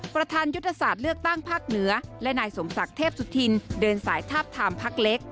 ประธานยุทธศาสตร์เลือกตั้งภาคเหนือและนายสมศักดิ์เทพสุธินเดินสายทาบทามพักเล็ก